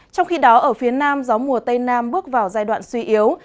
trong khi đó ở phía nam gió mùa tây nam bước vào giai đoạn suy yếu